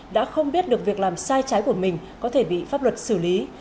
đã không biết được việc làm sai trái của mình có thể bị pháp luật xử lý